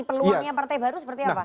peluangnya partai baru seperti apa